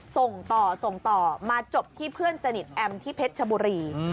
ส่งต่อส่งต่อมาจบที่เพื่อนสนิทแอมที่เพชรชบุรี